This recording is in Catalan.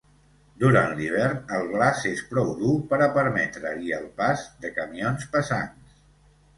Durant l'hivern, el glaç és prou dur per a permetre-hi el pas de camions pesants.